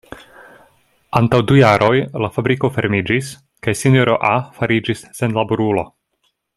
Antaŭ du jaroj la fabriko fermiĝis kaj sinjoro A fariĝis senlaborulo.